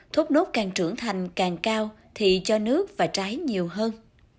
thốt nốt càng trưởng thành càng cao thì cho nước và trái nhiều hơn